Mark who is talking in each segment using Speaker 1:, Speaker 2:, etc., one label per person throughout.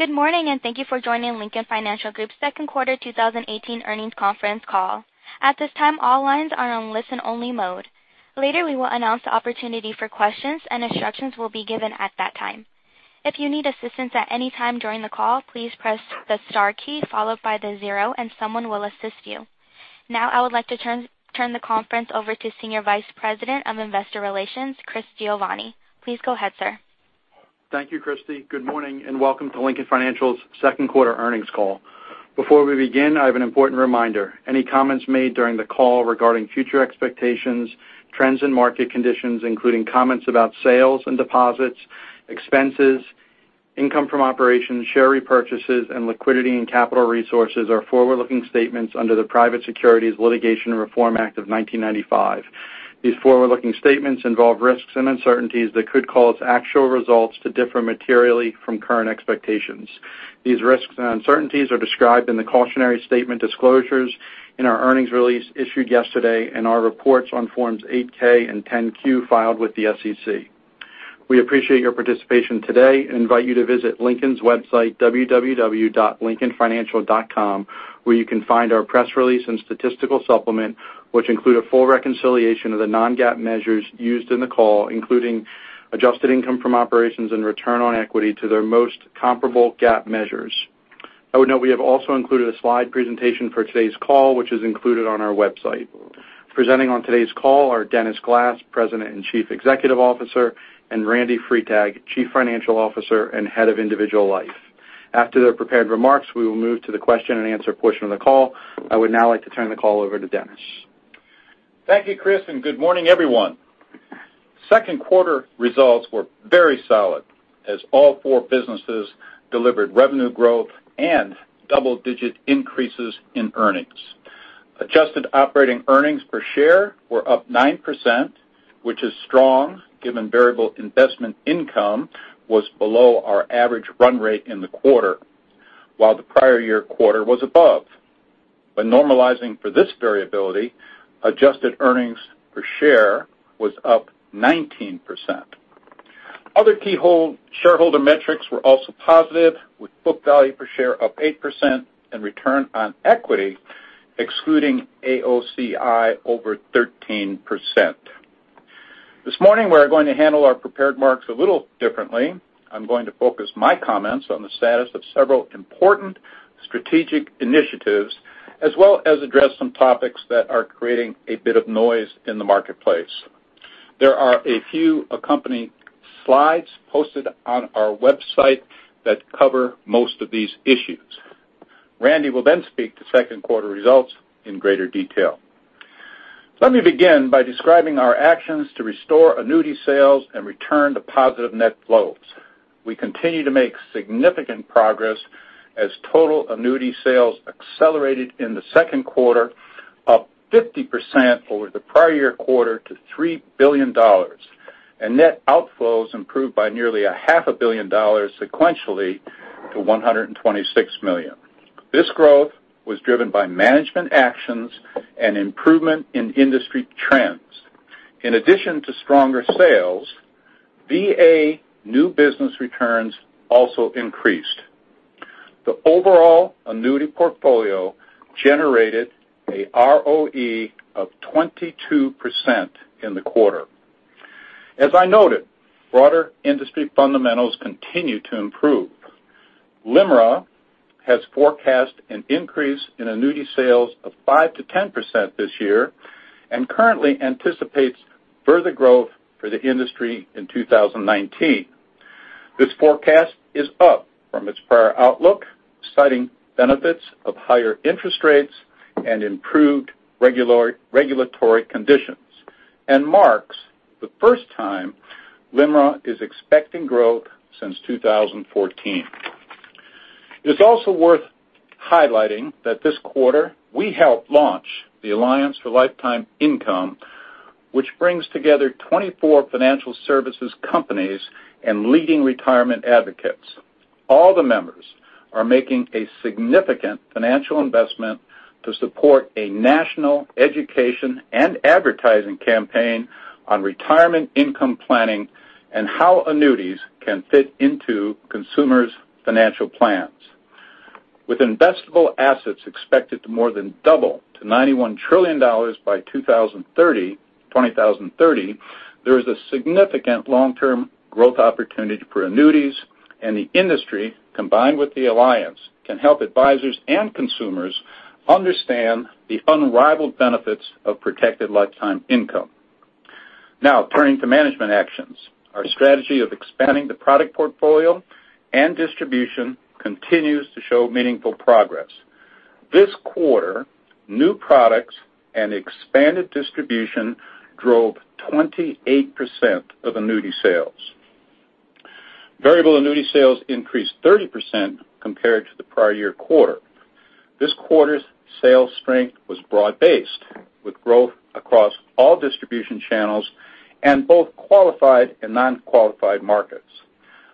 Speaker 1: Good morning, and thank you for joining Lincoln Financial Group's second quarter 2018 earnings conference call. At this time, all lines are on listen only mode. Later, we will announce the opportunity for questions, and instructions will be given at that time. If you need assistance at any time during the call, please press the star key followed by the zero and someone will assist you. Now, I would like to turn the conference over to Senior Vice President of Investor Relations, Chris Giovanni. Please go ahead, sir.
Speaker 2: Thank you, Christy. Good morning and welcome to Lincoln Financial's second quarter earnings call. Before we begin, I have an important reminder. Any comments made during the call regarding future expectations, trends and market conditions, including comments about sales and deposits, expenses, income from operations, share repurchases, and liquidity and capital resources are forward-looking statements under the Private Securities Litigation Reform Act of 1995. These forward-looking statements involve risks and uncertainties that could cause actual results to differ materially from current expectations. These risks and uncertainties are described in the cautionary statement disclosures in our earnings release issued yesterday and our reports on Forms 8-K and 10-Q filed with the SEC. We appreciate your participation today and invite you to visit Lincoln's website, www.lincolnfinancial.com, where you can find our press release and statistical supplement, which include a full reconciliation of the non-GAAP measures used in the call, including adjusted income from operations and return on equity to their most comparable GAAP measures. I would note we have also included a slide presentation for today's call, which is included on our website. Presenting on today's call are Dennis Glass, President and Chief Executive Officer, and Randy Freitag, Chief Financial Officer and Head of Individual Life. After their prepared remarks, we will move to the question and answer portion of the call. I would now like to turn the call over to Dennis.
Speaker 3: Thank you, Chris. Good morning, everyone. Second quarter results were very solid as all four businesses delivered revenue growth and double-digit increases in earnings. Adjusted operating earnings per share were up 9%, which is strong given variable investment income was below our average run rate in the quarter, while the prior year quarter was above. Normalizing for this variability, adjusted earnings per share was up 19%. Other key shareholder metrics were also positive with book value per share up 8% and return on equity, excluding AOCI, over 13%. This morning, we're going to handle our prepared remarks a little differently. I'm going to focus my comments on the status of several important strategic initiatives as well as address some topics that are creating a bit of noise in the marketplace. There are a few accompanying slides posted on our website that cover most of these issues. Randy will speak to second quarter results in greater detail. Let me begin by describing our actions to restore annuity sales and return to positive net flows. We continue to make significant progress as total annuity sales accelerated in the second quarter, up 50% over the prior year quarter to $3 billion, and net outflows improved by nearly a half a billion dollars sequentially to $126 million. This growth was driven by management actions and improvement in industry trends. In addition to stronger sales, VA new business returns also increased. The overall annuity portfolio generated an ROE of 22% in the quarter. As I noted, broader industry fundamentals continue to improve. LIMRA has forecast an increase in annuity sales of 5%-10% this year and currently anticipates further growth for the industry in 2019. This forecast is up from its prior outlook, citing benefits of higher interest rates and improved regulatory conditions, marks the first time LIMRA is expecting growth since 2014. It's also worth highlighting that this quarter we helped launch the Alliance for Lifetime Income, which brings together 24 financial services companies and leading retirement advocates. All the members are making a significant financial investment to support a national education and advertising campaign on retirement income planning and how annuities can fit into consumers' financial plans. With investable assets expected to more than double to $91 trillion by 2030, there is a significant long-term growth opportunity for annuities, and the industry, combined with the Alliance, can help advisors and consumers understand the unrivaled benefits of protected lifetime income. Turning to management actions. Our strategy of expanding the product portfolio and distribution continues to show meaningful progress. This quarter, new products and expanded distribution drove 28% of annuity sales. Variable annuity sales increased 30% compared to the prior year quarter. This quarter's sales strength was broad-based, with growth across all distribution channels and both qualified and non-qualified markets.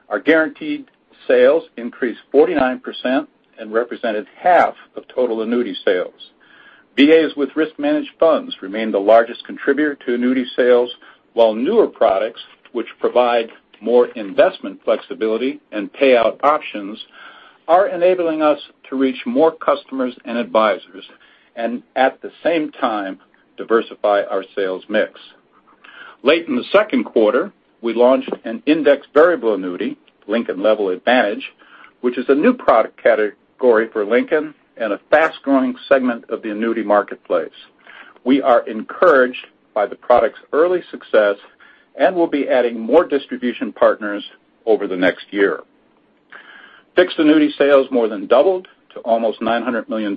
Speaker 3: Our guaranteed sales increased 49% and represented half of total annuity sales. VAs with risk managed funds remain the largest contributor to annuity sales, while newer products, which provide more investment flexibility and payout options, are enabling us to reach more customers and advisors, and at the same time diversify our sales mix. Late in the second quarter, we launched an indexed variable annuity, Lincoln Level Advantage, which is a new product category for Lincoln and a fast-growing segment of the annuity marketplace. We are encouraged by the product's early success and will be adding more distribution partners over the next year. Fixed annuity sales more than doubled to almost $900 million,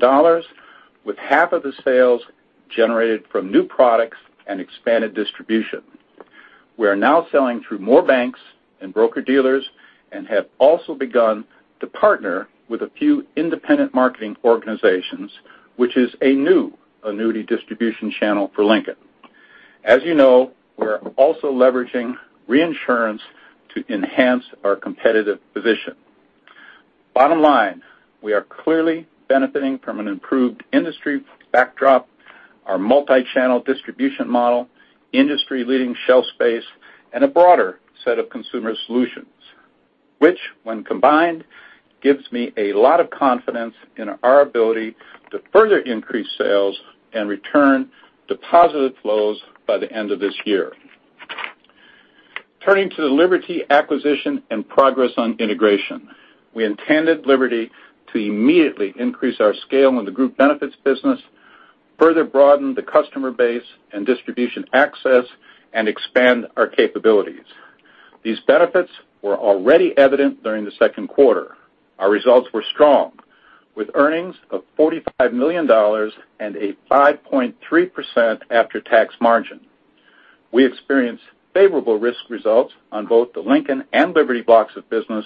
Speaker 3: with half of the sales generated from new products and expanded distribution. We are now selling through more banks and broker-dealers and have also begun to partner with a few Independent Marketing Organizations, which is a new annuity distribution channel for Lincoln. As you know, we're also leveraging reinsurance to enhance our competitive position. Bottom line, we are clearly benefiting from an improved industry backdrop, our multi-channel distribution model, industry-leading shelf space, and a broader set of consumer solutions, which, when combined, gives me a lot of confidence in our ability to further increase sales and return to positive flows by the end of this year. Turning to the Liberty acquisition and progress on integration. We intended Liberty to immediately increase our scale in the group benefits business, further broaden the customer base and distribution access, and expand our capabilities. These benefits were already evident during the second quarter. Our results were strong, with earnings of $45 million and a 5.3% after-tax margin. We experienced favorable risk results on both the Lincoln and Liberty blocks of business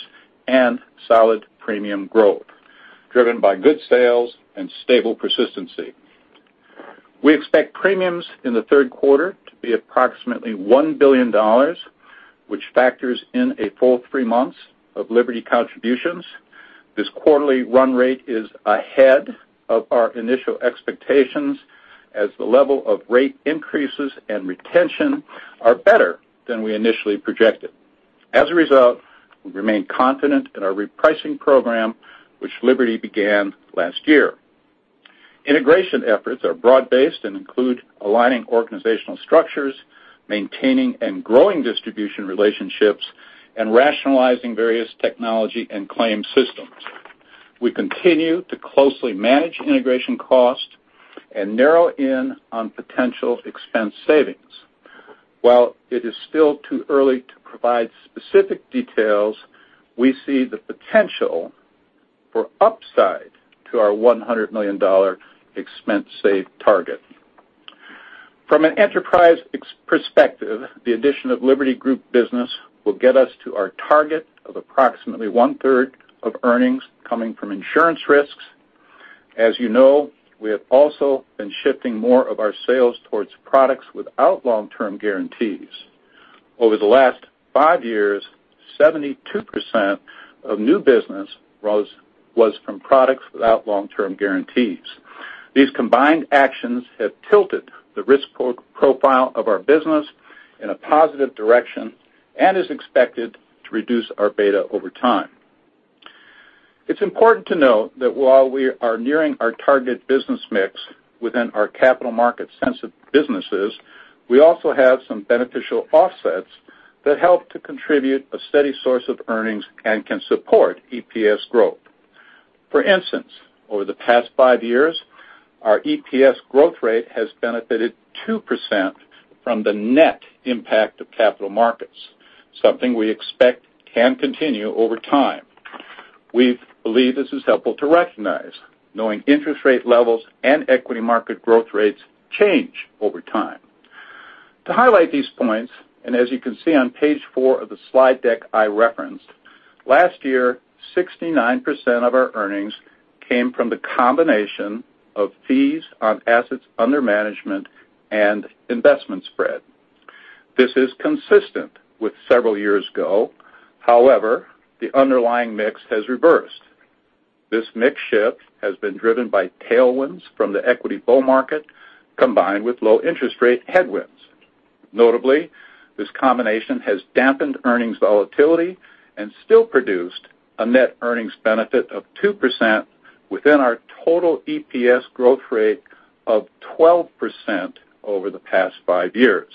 Speaker 3: and solid premium growth, driven by good sales and stable persistency. We expect premiums in the third quarter to be approximately $1 billion, which factors in a full three months of Liberty contributions. This quarterly run rate is ahead of our initial expectations, as the level of rate increases and retention are better than we initially projected. As a result, we remain confident in our repricing program, which Liberty began last year. Integration efforts are broad-based and include aligning organizational structures, maintaining and growing distribution relationships, and rationalizing various technology and claim systems. We continue to closely manage integration costs and narrow in on potential expense savings. While it is still too early to provide specific details, we see the potential for upside to our $100 million expense save target. From an enterprise perspective, the addition of Liberty Group business will get us to our target of approximately one-third of earnings coming from insurance risks. As you know, we have also been shifting more of our sales towards products without long-term guarantees. Over the last five years, 72% of new business was from products without long-term guarantees. These combined actions have tilted the risk profile of our business in a positive direction and is expected to reduce our beta over time. It's important to note that while we are nearing our target business mix within our capital market-sensitive businesses, we also have some beneficial offsets that help to contribute a steady source of earnings and can support EPS growth. For instance, over the past five years, our EPS growth rate has benefited 2% from the net impact of capital markets, something we expect can continue over time. We believe this is helpful to recognize, knowing interest rate levels and equity market growth rates change over time. To highlight these points, and as you can see on page four of the slide deck I referenced, last year, 69% of our earnings came from the combination of fees on assets under management and investment spread. This is consistent with several years ago. However, the underlying mix has reversed. This mix shift has been driven by tailwinds from the equity bull market combined with low interest rate headwinds. Notably, this combination has dampened earnings volatility and still produced a net earnings benefit of 2% within our total EPS growth rate of 12% over the past five years.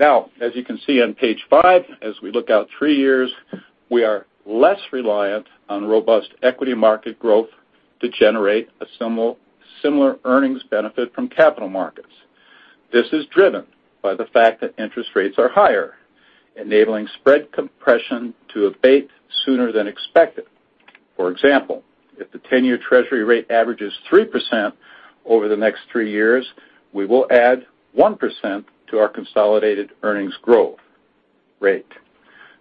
Speaker 3: Now, as you can see on page five, as we look out three years, we are less reliant on robust equity market growth to generate a similar earnings benefit from capital markets. This is driven by the fact that interest rates are higher, enabling spread compression to abate sooner than expected. For example, if the 10-year treasury rate averages 3% over the next three years, we will add 1% to our consolidated earnings growth rate.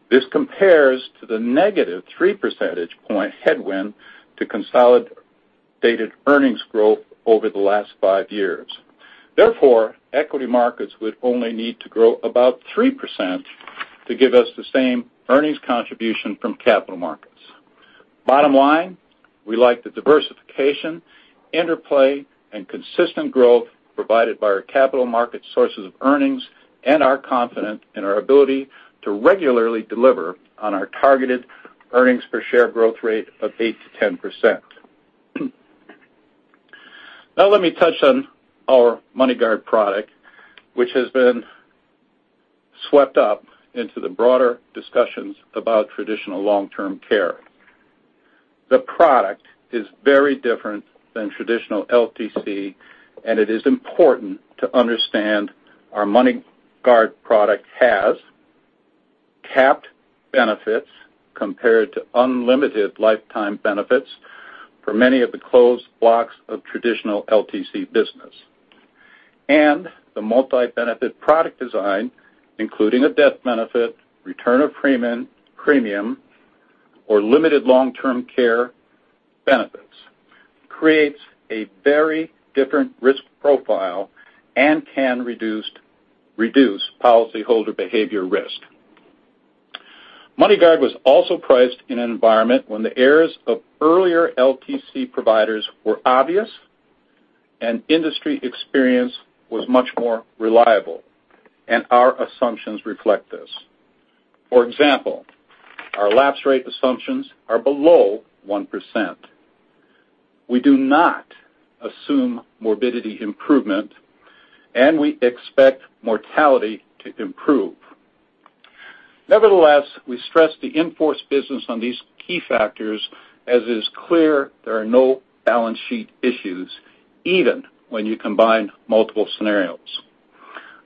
Speaker 3: This compares to the negative three percentage point headwind to consolidated earnings growth over the last five years. Therefore, equity markets would only need to grow about 3% to give us the same earnings contribution from capital markets. Bottom line, we like the diversification, interplay, and consistent growth provided by our capital market sources of earnings, are confident in our ability to regularly deliver on our targeted earnings per share growth rate of 8% to 10%. Let me touch on our MoneyGuard product, which has been swept up into the broader discussions about traditional long-term care. The product is very different than traditional LTC, it is important to understand our MoneyGuard product has capped benefits compared to unlimited lifetime benefits for many of the closed blocks of traditional LTC business. The multi-benefit product design, including a death benefit, return of premium, or limited long-term care benefits, creates a very different risk profile and can reduce policyholder behavior risk. MoneyGuard was also priced in an environment when the errors of earlier LTC providers were obvious and industry experience was much more reliable, our assumptions reflect this. For example, our lapse rate assumptions are below 1%. We do not assume morbidity improvement, we expect mortality to improve. Nevertheless, we stress the in-force business on these key factors, as is clear there are no balance sheet issues, even when you combine multiple scenarios.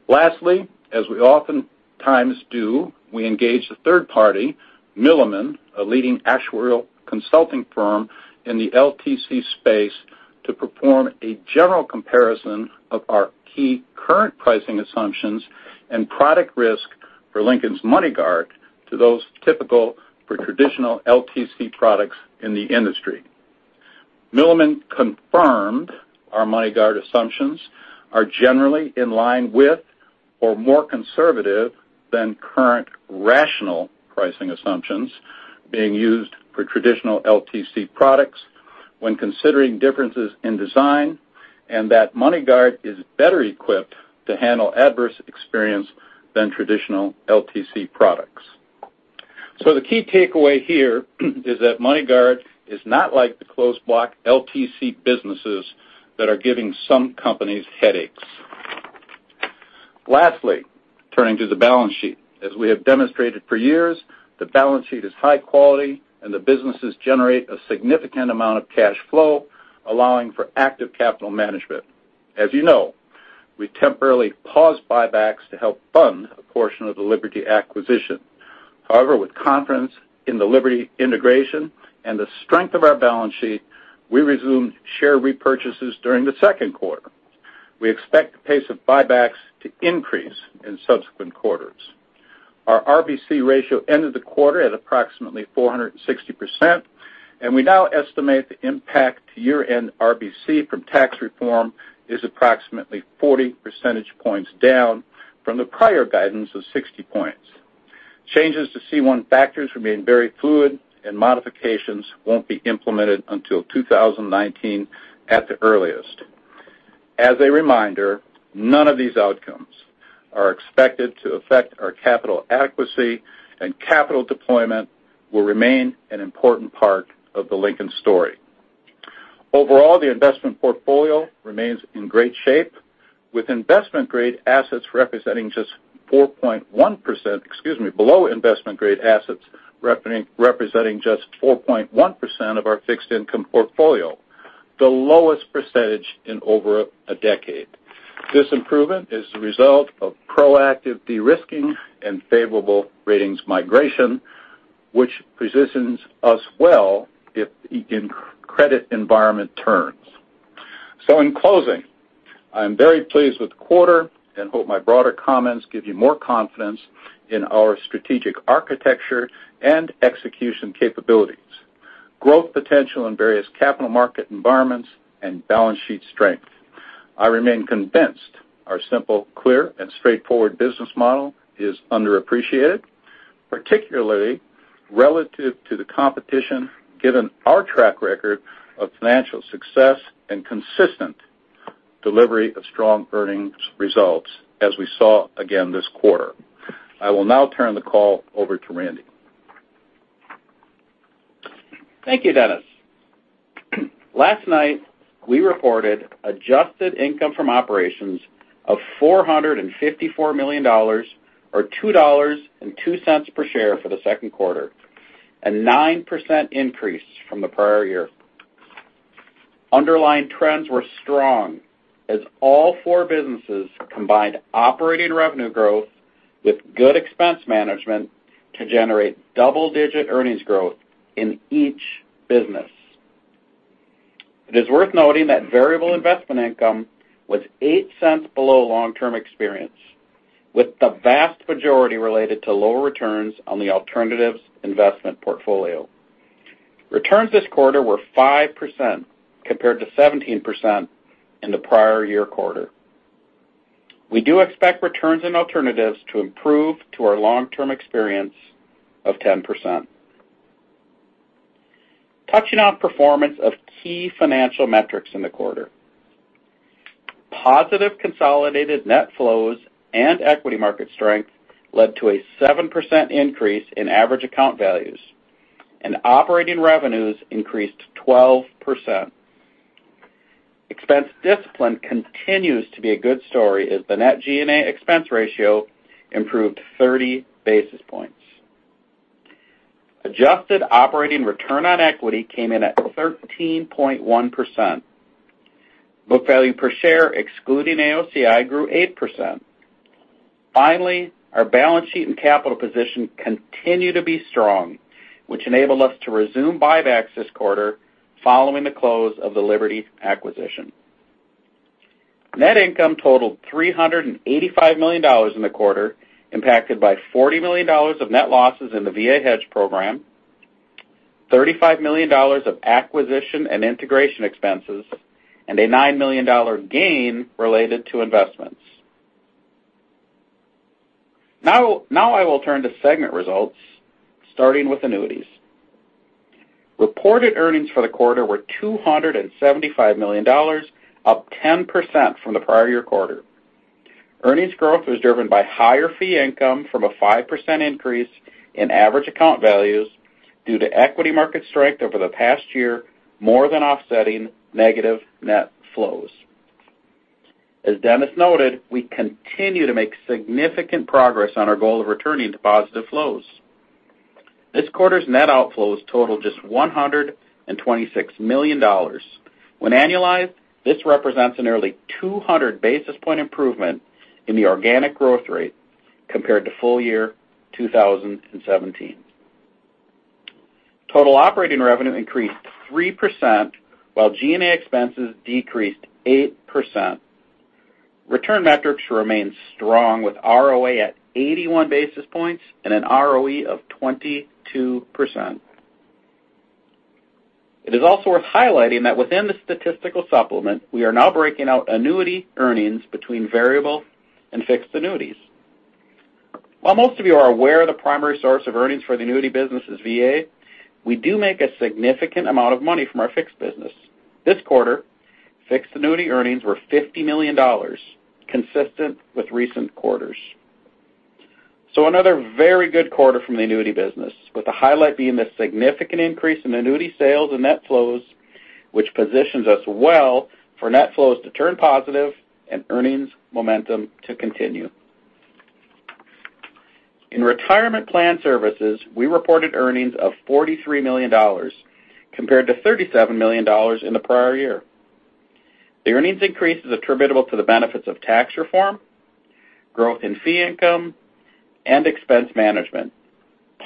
Speaker 3: Lastly, as we oftentimes do, we engage the third party, Milliman, a leading actuarial consulting firm in the LTC space, to perform a general comparison of our key current pricing assumptions and product risk for Lincoln's MoneyGuard to those typical for traditional LTC products in the industry. Milliman confirmed our MoneyGuard assumptions are generally in line with or more conservative than current rational pricing assumptions being used for traditional LTC products when considering differences in design, that MoneyGuard is better equipped to handle adverse experience than traditional LTC products. The key takeaway here is that MoneyGuard is not like the closed block LTC businesses that are giving some companies headaches. Lastly, turning to the balance sheet. As we have demonstrated for years, the balance sheet is high quality and the businesses generate a significant amount of cash flow, allowing for active capital management. As you know, we temporarily paused buybacks to help fund a portion of the Liberty acquisition. However, with confidence in the Liberty integration and the strength of our balance sheet, we resumed share repurchases during the second quarter. We expect the pace of buybacks to increase in subsequent quarters. Our RBC ratio ended the quarter at approximately 460%, we now estimate the impact to year-end RBC from tax reform is approximately 40 percentage points down from the prior guidance of 60 points. Changes to C1 factors remain very fluid modifications won't be implemented until 2019 at the earliest. As a reminder, none of these outcomes are expected to affect our capital adequacy capital deployment will remain an important part of the Lincoln story. Overall, the investment portfolio remains in great shape with below investment-grade assets representing just 4.1% of our fixed income portfolio, the lowest percentage in over a decade. This improvement is the result of proactive de-risking and favorable ratings migration, which positions us well if credit environment turns. In closing, I am very pleased with the quarter and hope my broader comments give you more confidence in our strategic architecture and execution capabilities, growth potential in various capital market environments, and balance sheet strength. I remain convinced our simple, clear, and straightforward business model is underappreciated, particularly relative to the competition, given our track record of financial success and consistent delivery of strong earnings results, as we saw again this quarter. I will now turn the call over to Randy.
Speaker 4: Thank you, Dennis. Last night, we reported adjusted income from operations of $454 million, or $2.02 per share for the second quarter, a 9% increase from the prior year. Underlying trends were strong as all four businesses combined operating revenue growth with good expense management to generate double-digit earnings growth in each business. It is worth noting that variable investment income was $0.08 below long-term experience, with the vast majority related to lower returns on the alternatives investment portfolio. Returns this quarter were 5% compared to 17% in the prior year quarter. We do expect returns and alternatives to improve to our long-term experience of 10%. Touching on performance of key financial metrics in the quarter. Positive consolidated net flows and equity market strength led to a 7% increase in average account values, and operating revenues increased 12%. Expense discipline continues to be a good story as the net G&A expense ratio improved 30 basis points. Adjusted operating return on equity came in at 13.1%. Book value per share, excluding AOCI, grew 8%. Finally, our balance sheet and capital position continue to be strong, which enabled us to resume buybacks this quarter following the close of the Liberty acquisition. Net income totaled $385 million in the quarter, impacted by $40 million of net losses in the VA hedge program, $35 million of acquisition and integration expenses, and a $9 million gain related to investments. I will turn to segment results, starting with annuities. Reported earnings for the quarter were $275 million, up 10% from the prior year quarter. Earnings growth was driven by higher fee income from a 5% increase in average account values due to equity market strength over the past year, more than offsetting negative net flows. As Dennis noted, we continue to make significant progress on our goal of returning to positive flows. This quarter's net outflows totaled just $126 million. When annualized, this represents a nearly 200 basis point improvement in the organic growth rate compared to full year 2017. Total operating revenue increased 3%, while G&A expenses decreased 8%. Return metrics remain strong, with ROA at 81 basis points and an ROE of 22%. It is also worth highlighting that within the statistical supplement, we are now breaking out annuity earnings between variable and fixed annuities. While most of you are aware the primary source of earnings for the annuity business is VA, we do make a significant amount of money from our fixed business. This quarter, fixed annuity earnings were $50 million, consistent with recent quarters. Another very good quarter from the annuity business, with the highlight being the significant increase in annuity sales and net flows, which positions us well for net flows to turn positive and earnings momentum to continue. In Retirement Plan Services, we reported earnings of $43 million compared to $37 million in the prior year. The earnings increase is attributable to the benefits of tax reform, growth in fee income, and expense management,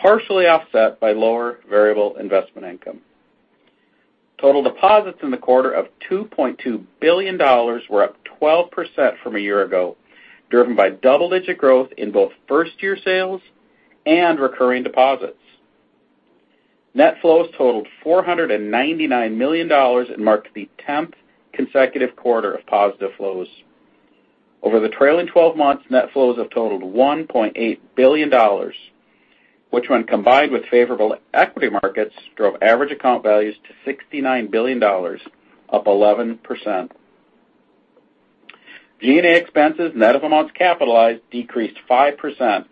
Speaker 4: partially offset by lower variable investment income. Total deposits in the quarter of $2.2 billion were up 12% from a year ago, driven by double-digit growth in both first-year sales and recurring deposits. Net flows totaled $499 million and marked the 10th consecutive quarter of positive flows. Over the trailing 12 months, net flows have totaled $1.8 billion, which when combined with favorable equity markets, drove average account values to $69 billion, up 11%. G&A expenses, net of amounts capitalized, decreased 5%,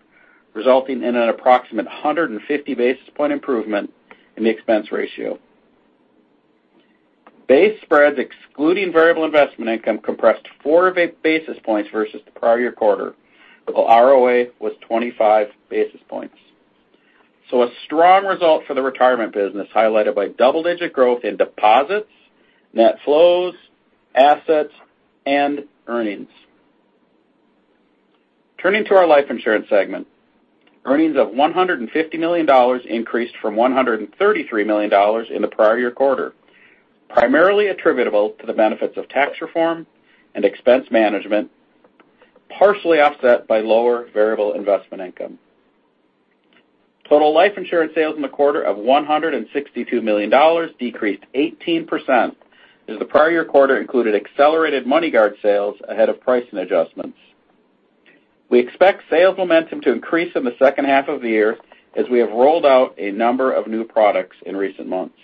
Speaker 4: resulting in an approximate 150 basis point improvement in the expense ratio. Base spreads excluding variable investment income compressed four basis points versus the prior year quarter, while ROA was 25 basis points. A strong result for the retirement business, highlighted by double-digit growth in deposits, net flows, assets, and earnings. Turning to our life insurance segment. Earnings of $150 million increased from $133 million in the prior year quarter, primarily attributable to the benefits of tax reform and expense management, partially offset by lower variable investment income. Total life insurance sales in the quarter of $162 million decreased 18%, as the prior year quarter included accelerated MoneyGuard sales ahead of pricing adjustments. We expect sales momentum to increase in the second half of the year as we have rolled out a number of new products in recent months.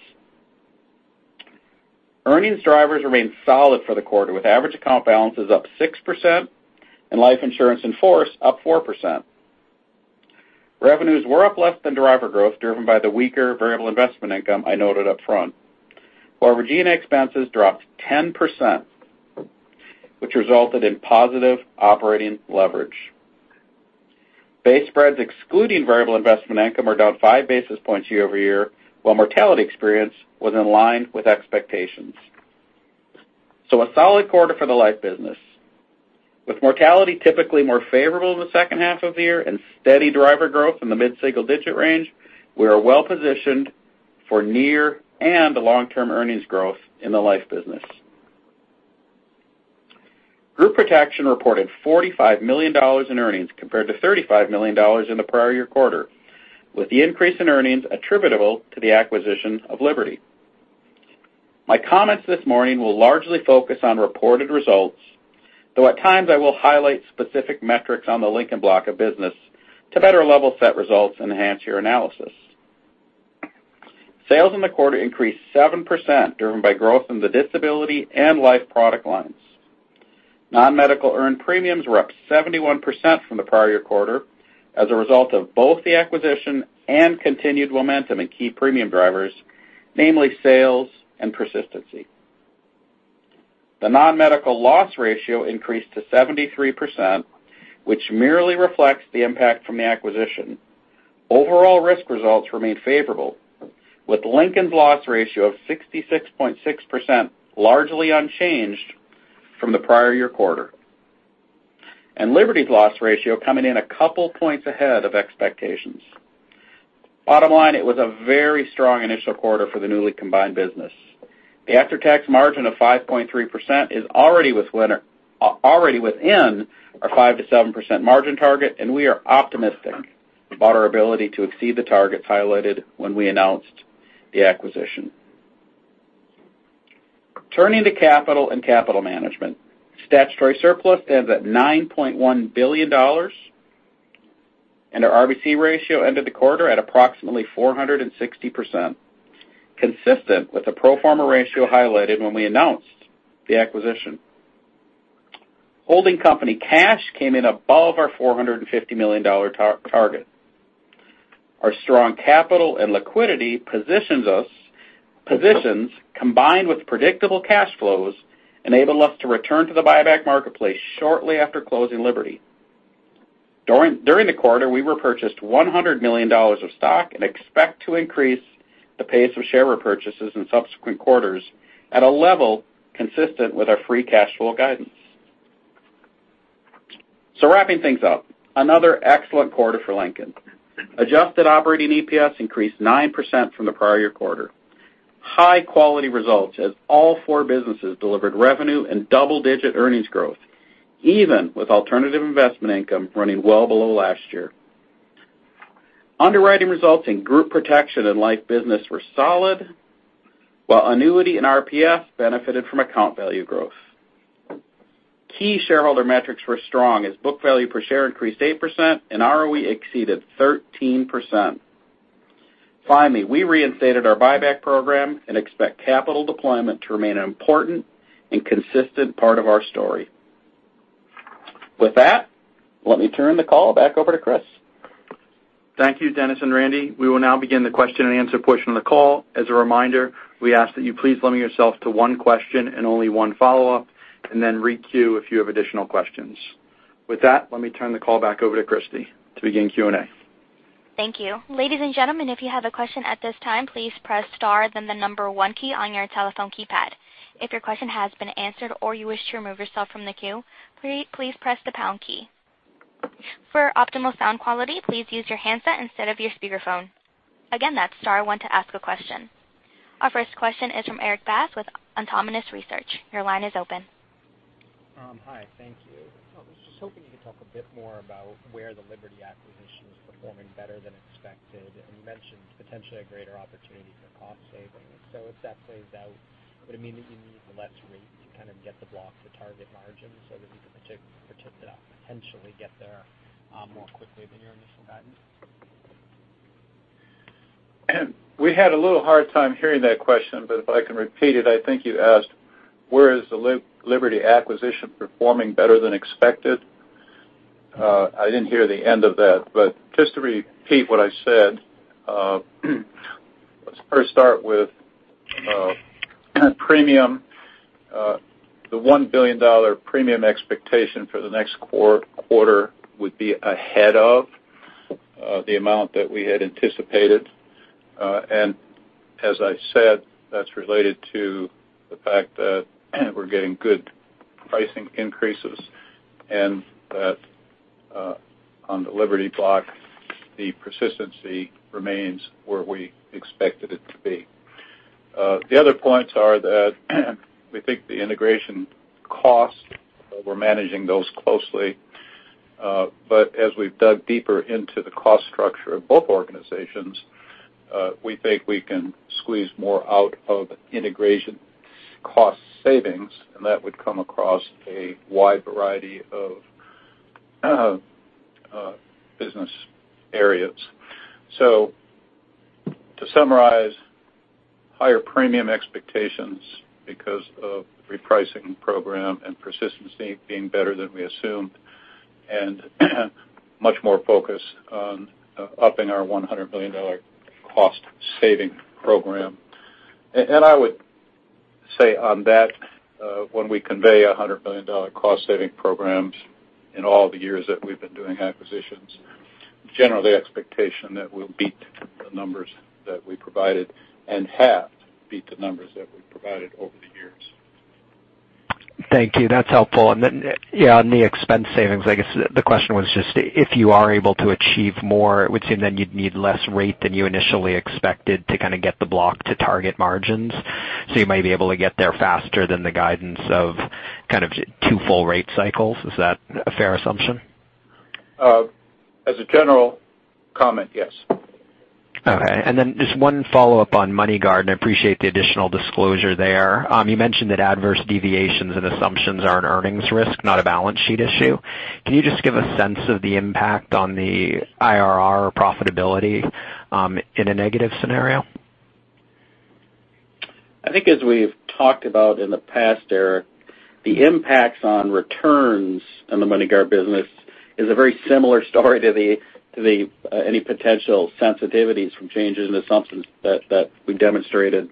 Speaker 4: Earnings drivers remained solid for the quarter, with average account balances up 6% and life insurance in force up 4%. Revenues were up less than driver growth, driven by the weaker variable investment income I noted up front. While our G&A expenses dropped 10%, which resulted in positive operating leverage. Base spreads excluding variable investment income were down five basis points year-over-year, while mortality experience was in line with expectations. A solid quarter for the life business. With mortality typically more favorable in the second half of the year and steady driver growth in the mid-single digit range, we are well positioned for near and long-term earnings growth in the life business. Group Protection reported $45 million in earnings compared to $35 million in the prior year quarter, with the increase in earnings attributable to the acquisition of Liberty. My comments this morning will largely focus on reported results, though at times I will highlight specific metrics on the Lincoln block of business to better level set results and enhance your analysis. Sales in the quarter increased 7%, driven by growth in the disability and life product lines. Non-medical earned premiums were up 71% from the prior year quarter as a result of both the acquisition and continued momentum in key premium drivers, namely sales and persistency. The non-medical loss ratio increased to 73%, which merely reflects the impact from the acquisition. Overall risk results remained favorable, with Lincoln's loss ratio of 66.6% largely unchanged from the prior year quarter, and Liberty's loss ratio coming in a couple points ahead of expectations. It was a very strong initial quarter for the newly combined business. The after-tax margin of 5.3% is already within our 5%-7% margin target, and we are optimistic about our ability to exceed the targets highlighted when we announced the acquisition. Turning to capital and capital management. Statutory surplus stands at $9.1 billion, and our RBC ratio ended the quarter at approximately 460%, consistent with the pro forma ratio highlighted when we announced the acquisition. Holding company cash came in above our $450 million target. Our strong capital and liquidity positions, combined with predictable cash flows, enabled us to return to the buyback marketplace shortly after closing Liberty. During the quarter, we repurchased $100 million of stock and expect to increase the pace of share repurchases in subsequent quarters at a level consistent with our free cash flow guidance. Wrapping things up, another excellent quarter for Lincoln. Adjusted operating EPS increased 9% from the prior year quarter. High-quality results as all four businesses delivered revenue and double-digit earnings growth, even with alternative investment income running well below last year. Underwriting results in Group Protection and life business were solid, while annuity and RPS benefited from account value growth. Key shareholder metrics were strong as book value per share increased 8% and ROE exceeded 13%. We reinstated our buyback program and expect capital deployment to remain an important and consistent part of our story. With that, let me turn the call back over to Chris.
Speaker 2: Thank you, Dennis and Randy. We will now begin the question and answer portion of the call. As a reminder, we ask that you please limit yourself to one question and only one follow-up, and then re-queue if you have additional questions. With that, let me turn the call back over to Christy to begin Q&A.
Speaker 1: Thank you. Ladies and gentlemen, if you have a question at this time, please press star then the number 1 key on your telephone keypad. If your question has been answered or you wish to remove yourself from the queue, please press the pound key. For optimal sound quality, please use your handset instead of your speakerphone. Again, that's star 1 to ask a question. Our first question is from Erik Bass with Autonomous Research. Your line is open.
Speaker 5: Hi, thank you. I was just hoping you could talk a bit more about where the Liberty acquisition is performing better than expected, and you mentioned potentially a greater opportunity for cost savings. If that plays out, would it mean that you need less rate to kind of get the block to target margins so that you could potentially get there more quickly than your initial guidance?
Speaker 4: We had a little hard time hearing that question, but if I can repeat it, I think you asked, where is the Liberty acquisition performing better than expected? I didn't hear the end of that, just to repeat what I said, let's first start with premium. The $1 billion premium expectation for the next quarter would be ahead of the amount that we had anticipated. As I said, that's related to the fact that we're getting good pricing increases, and that on the Liberty block, the persistency remains where we expected it to be. The other points are that we think the integration costs, we're managing those closely. As we've dug deeper into the cost structure of both organizations, we think we can squeeze more out of integration cost savings, and that would come across a wide variety of business areas. To summarize, higher premium expectations because of repricing program and persistency being better than we assumed, and much more focus on upping our $100 million cost-saving program. I would say on that, when we convey $100 million cost-saving programs in all the years that we've been doing acquisitions, generally the expectation that we'll beat the numbers that we provided and have beat the numbers that we've provided over the years.
Speaker 5: Thank you. That's helpful. Yeah, on the expense savings, I guess the question was just if you are able to achieve more, would seem then you'd need less rate than you initially expected to kind of get the block to target margins. You might be able to get there faster than the guidance of kind of two full rate cycles. Is that a fair assumption?
Speaker 3: As a general comment, yes.
Speaker 5: Okay. Just one follow-up on MoneyGuard, and I appreciate the additional disclosure there. You mentioned that adverse deviations and assumptions are an earnings risk, not a balance sheet issue. Can you just give a sense of the impact on the IRR profitability in a negative scenario?
Speaker 4: I think as we've talked about in the past, Erik, the impacts on returns in the MoneyGuard business is a very similar story to any potential sensitivities from changes in assumptions that we demonstrated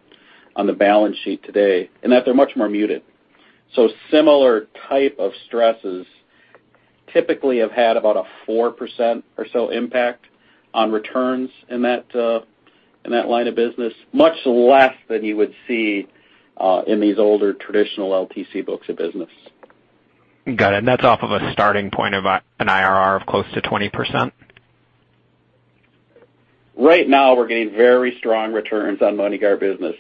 Speaker 4: on the balance sheet today, in that they're much more muted. Similar type of stresses typically have had about a 4% or so impact on returns in that line of business. Much less than you would see in these older traditional LTC books of business.
Speaker 5: Got it. That's off of a starting point of an IRR of close to 20%?
Speaker 4: Right now, we're getting very strong returns on MoneyGuard business.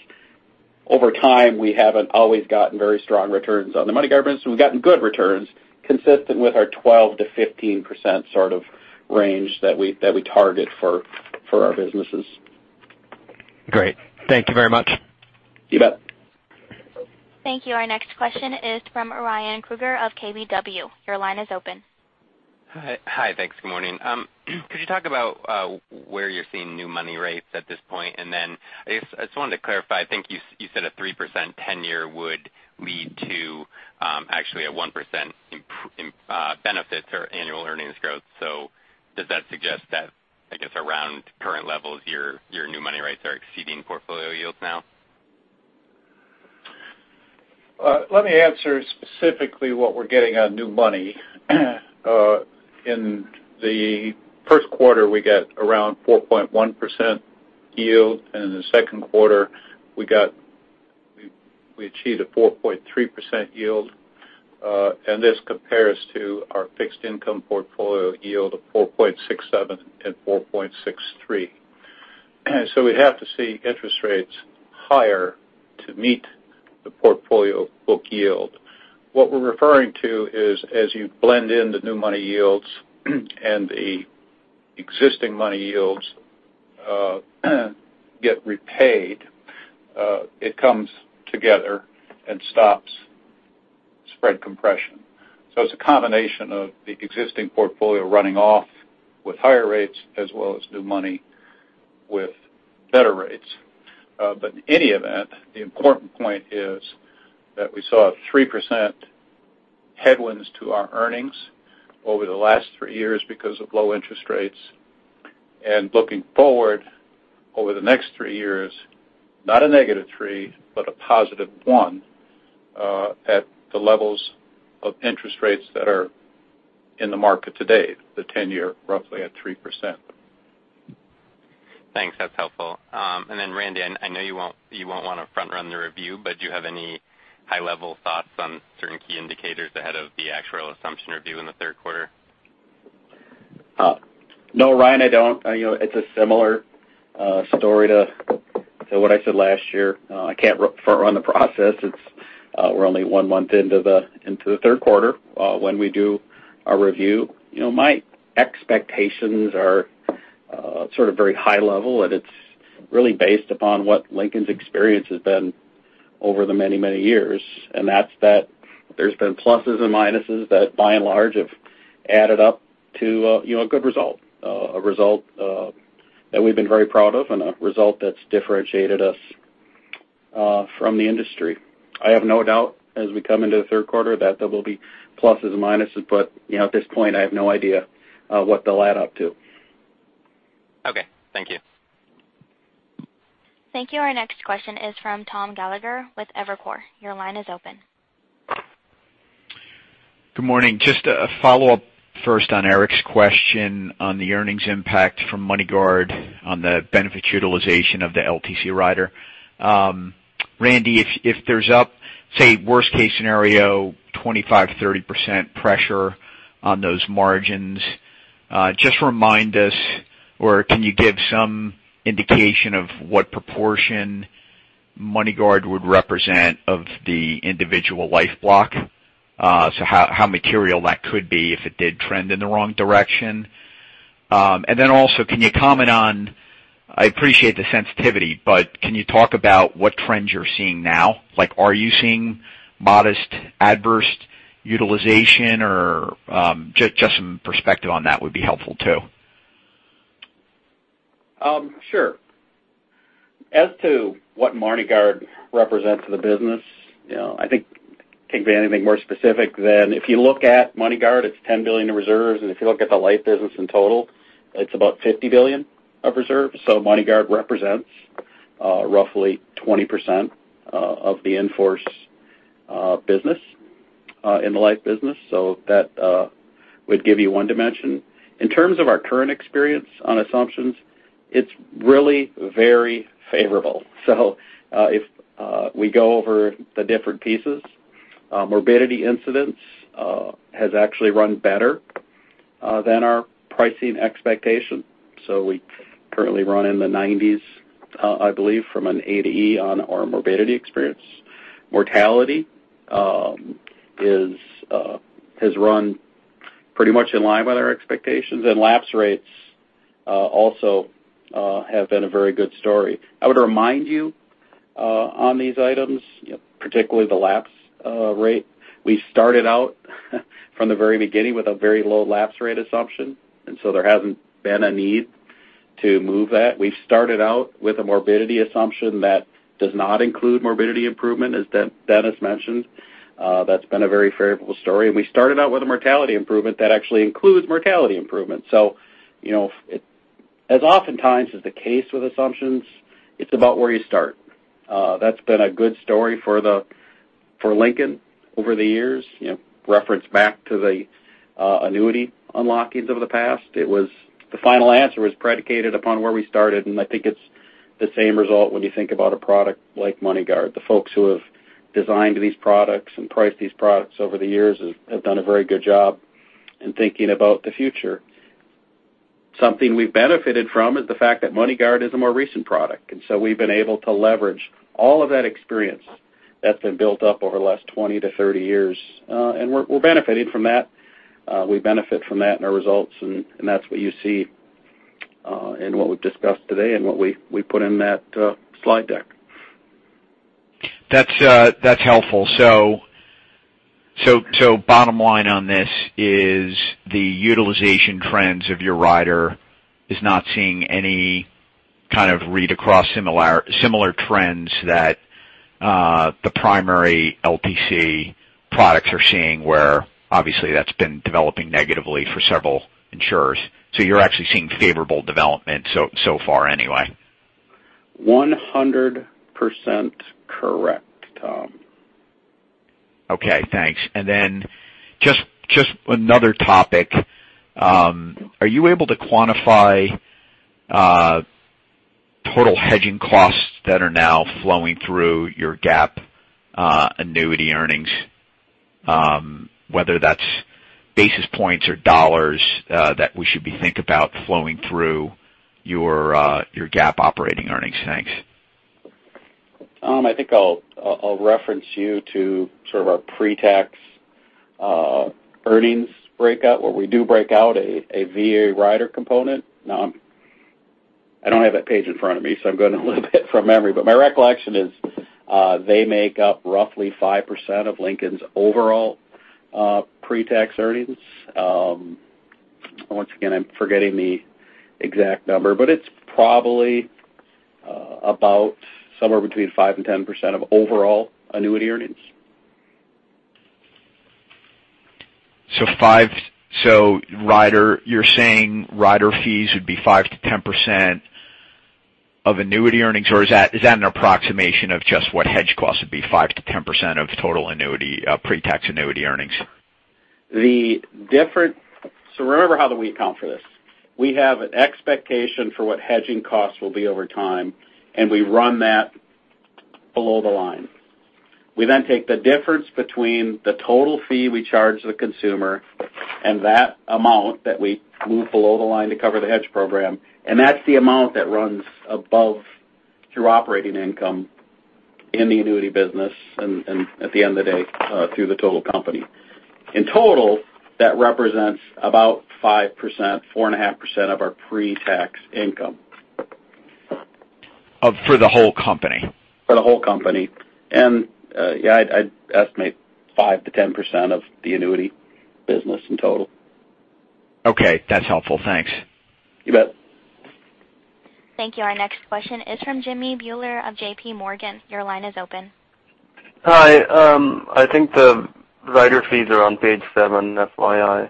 Speaker 4: Over time, we haven't always gotten very strong returns on the MoneyGuard business. We've gotten good returns consistent with our 12%-15% range that we target for our businesses.
Speaker 5: Great. Thank you very much.
Speaker 4: You bet.
Speaker 1: Thank you. Our next question is from Ryan Krueger of KBW. Your line is open.
Speaker 6: Hi. Thanks. Good morning. Could you talk about where you're seeing new money rates at this point? I just wanted to clarify, I think you said a 3% 10-year would lead to actually a 1% benefit or annual earnings growth. Does that suggest that, I guess, around current levels, your new money rates are exceeding portfolio yields now?
Speaker 3: Let me answer specifically what we're getting on new money. In the first quarter, we got around 4.1% yield, in the second quarter we achieved a 4.3% yield. This compares to our fixed income portfolio yield of 4.67% and 4.63%. We'd have to see interest rates higher to meet the portfolio book yield. What we're referring to is as you blend in the new money yields and the existing money yields get repaid, it comes together and stops spread compression. It's a combination of the existing portfolio running off with higher rates as well as new money with better rates. In any event, the important point is that we saw a 3% headwinds to our earnings over the last three years because of low interest rates. Looking forward over the next three years, not a negative three, but a positive one, at the levels of interest rates that are in the market today, the 10-year roughly at 3%.
Speaker 6: Thanks. That's helpful. Randy, I know you won't want to front run the review, but do you have any high-level thoughts on certain key indicators ahead of the actual assumption review in the third quarter?
Speaker 4: No, Ryan, I don't. It's a similar story to what I said last year. I can't front run the process. We're only one month into the third quarter when we do our review. My expectations are very high level, and it's really based upon what Lincoln's experience has been over the many years, and that's that there's been pluses and minuses that by and large have added up to a good result, a result that we've been very proud of, and a result that's differentiated us from the industry. I have no doubt as we come into the third quarter that there will be pluses and minuses, but at this point, I have no idea what they'll add up to.
Speaker 6: Okay. Thank you.
Speaker 1: Thank you. Our next question is from Thomas Gallagher with Evercore. Your line is open.
Speaker 7: Good morning. Just a follow-up first on Erik's question on the earnings impact from MoneyGuard on the benefits utilization of the LTC rider. Randy, if there's a, say, worst case scenario, 25%-30% pressure on those margins, just remind us or can you give some indication of what proportion MoneyGuard would represent of the individual life block? How material that could be if it did trend in the wrong direction. I appreciate the sensitivity, but can you talk about what trends you're seeing now? Are you seeing modest adverse utilization? Just some perspective on that would be helpful too.
Speaker 4: Sure. As to what MoneyGuard represents to the business, I think can't be anything more specific than if you look at MoneyGuard, it's $10 billion in reserves, and if you look at the life business in total, it's about $50 billion of reserves. MoneyGuard represents roughly 20% of the in-force business in the life business. That would give you one dimension. In terms of our current experience on assumptions, it's really very favorable. If we go over the different pieces, morbidity incidents has actually run better than our pricing expectations. We currently run in the 90s, I believe, from an ADE on our morbidity experience. Mortality has run pretty much in line with our expectations, and lapse rates also have been a very good story. I would remind you on these items, particularly the lapse rate, we started out from the very beginning with a very low lapse rate assumption. There hasn't been a need to move that. We've started out with a morbidity assumption that does not include morbidity improvement, as Dennis mentioned. That's been a very favorable story. We started out with a mortality improvement that actually includes mortality improvement. As oftentimes is the case with assumptions, it's about where you start. That's been a good story for Lincoln over the years. Reference back to the annuity unlockings over the past. The final answer was predicated upon where we started, and I think it's the same result when you think about a product like MoneyGuard. The folks who have designed these products and priced these products over the years have done a very good job in thinking about the future. Something we've benefited from is the fact that MoneyGuard is a more recent product. We've been able to leverage all of that experience that's been built up over the last 20-30 years. We're benefiting from that. We benefit from that in our results, and that's what you see in what we've discussed today and what we put in that slide deck.
Speaker 7: That's helpful. Bottom line on this is the utilization trends of your rider is not seeing any kind of read-across similar trends that the primary LTC products are seeing, where obviously that's been developing negatively for several insurers. You're actually seeing favorable development so far anyway.
Speaker 4: 100% correct, Tom.
Speaker 7: Okay, thanks. Just another topic. Are you able to quantify total hedging costs that are now flowing through your GAAP annuity earnings, whether that's basis points or dollars that we should be think about flowing through your GAAP operating earnings? Thanks.
Speaker 4: Tom, I think I'll reference you to our pre-tax earnings breakout where we do break out a VA rider component. Now, I don't have that page in front of me, so I'm going a little bit from memory, but my recollection is they make up roughly 5% of Lincoln's overall pre-tax earnings. Once again, I'm forgetting the exact number, but it's probably about somewhere between 5%-10% of overall annuity earnings.
Speaker 7: You're saying rider fees would be 5%-10% of annuity earnings? Or is that an approximation of just what hedge costs would be, 5%-10% of total pre-tax annuity earnings?
Speaker 4: Remember how we account for this. We have an expectation for what hedging costs will be over time, and we run that below the line. We then take the difference between the total fee we charge the consumer and that amount that we move below the line to cover the hedge program, and that's the amount that runs above through operating income in the annuity business and at the end of the day, through the total company. In total, that represents about 5%, 4.5% of our pre-tax income.
Speaker 7: For the whole company?
Speaker 4: For the whole company. Yeah, I'd estimate 5%-10% of the annuity business in total.
Speaker 7: Okay, that's helpful. Thanks.
Speaker 4: You bet.
Speaker 1: Thank you. Our next question is from Jimmy Bhoola of JP Morgan. Your line is open.
Speaker 8: Hi. I think the rider fees are on page seven, FYI.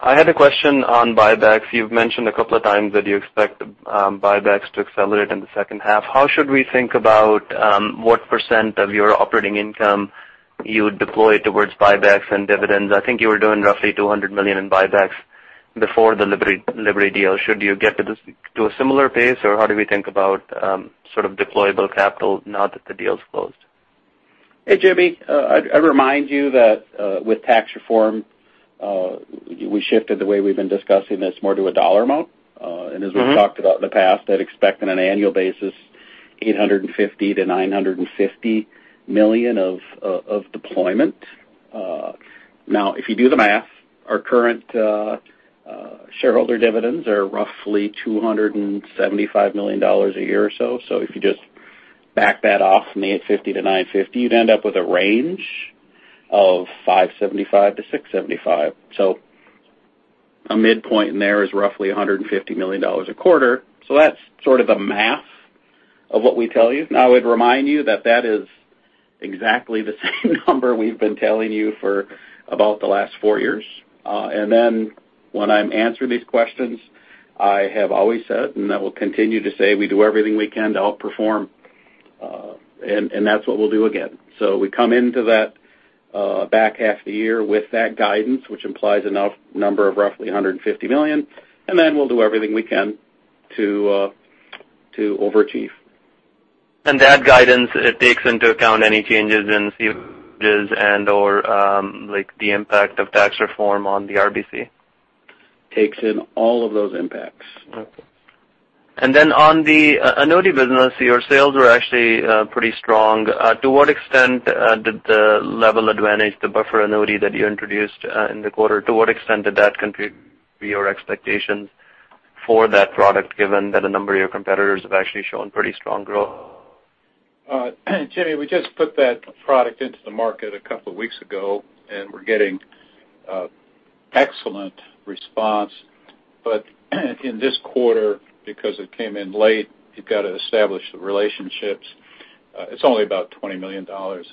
Speaker 8: I had a question on buybacks. You've mentioned a couple of times that you expect buybacks to accelerate in the second half. How should we think about what % of your operating income you would deploy towards buybacks and dividends? I think you were doing roughly $200 million in buybacks before the Liberty deal. Should you get to a similar pace, or how do we think about deployable capital now that the deal's closed?
Speaker 4: Hey, Jimmy. I remind you that with tax reform, we shifted the way we've been discussing this more to a dollar amount. As we've talked about in the past, I'd expect on an annual basis, $850 million-$950 million of deployment. If you do the math, our current shareholder dividends are roughly $275 million a year or so. If you just back that off from the $850-$950, you'd end up with a range of $575-$675. A midpoint in there is roughly $150 million a quarter. That's sort of the math of what we tell you. I would remind you that that is exactly the same number we've been telling you for about the last four years. When I'm answering these questions, I have always said, and I will continue to say, we do everything we can to outperform. That's what we'll do again. We come into that back half of the year with that guidance, which implies a number of roughly $150 million. We'll do everything we can to overachieve.
Speaker 8: That guidance takes into account any changes in and/or the impact of tax reform on the RBC?
Speaker 4: Takes in all of those impacts.
Speaker 8: Then on the annuity business, your sales were actually pretty strong. To what extent did the Lincoln Level Advantage, the buffer annuity that you introduced in the quarter, to what extent did that contribute your expectations for that product, given that a number of your competitors have actually shown pretty strong growth?
Speaker 3: Jimmy, we just put that product into the market a couple of weeks ago. We're getting excellent response. In this quarter, because it came in late, you've got to establish the relationships. It's only about $20 million, the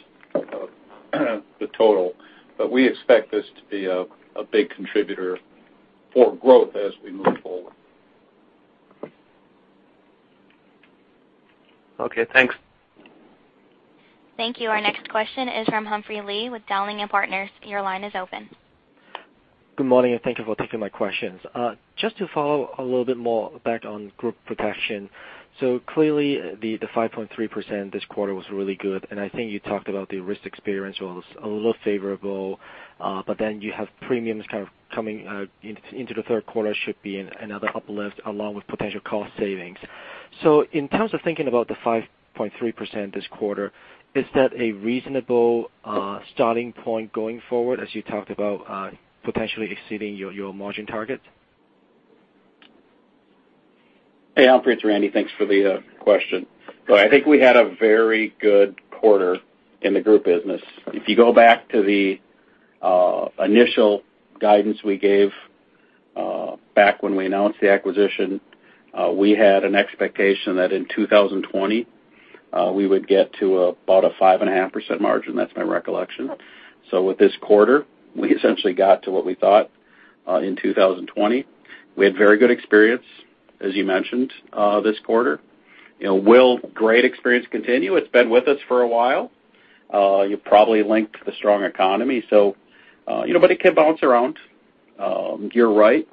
Speaker 3: total. We expect this to be a big contributor for growth as we move forward.
Speaker 8: Okay, thanks.
Speaker 1: Thank you. Our next question is from Humphrey Lee with Dowling & Partners. Your line is open.
Speaker 9: Good morning, and thank you for taking my questions. Just to follow a little bit more back on Group Protection. Clearly the 5.3% this quarter was really good. I think you talked about the risk experience was a little favorable. You have premiums kind of coming into the third quarter should be another uplift along with potential cost savings. In terms of thinking about the 5.3% this quarter, is that a reasonable starting point going forward as you talked about potentially exceeding your margin target?
Speaker 4: Hey, Humphrey, it's Randy. Thanks for the question. I think we had a very good quarter in the group business. If you go back to the initial guidance we gave back when we announced the acquisition, we had an expectation that in 2020, we would get to about a 5.5% margin. That's my recollection. With this quarter, we essentially got to what we thought in 2020. We had very good experience, as you mentioned, this quarter. Will great experience continue? It's been with us for a while. You probably linked the strong economy. It can bounce around. You're right,